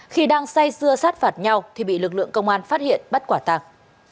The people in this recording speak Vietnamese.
khi đang say dưa sát phạt nhau thì bị lực lượng công an phát hiện bắt quả tàng